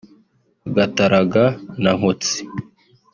Gataraga na Nkotsi